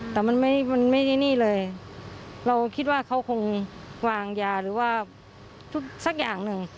แต่มันไม่มันไม่ได้นี่เลยเราคิดว่าเขาคงวางยาหรือว่าทุกสักอย่างหนึ่ง